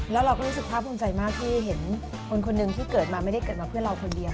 แล้วเราก็รู้สึกภาพภูมิใจมากที่เห็นคนหนึ่งที่เกิดมาไม่ได้เกิดมาเพื่อเราคนเดียว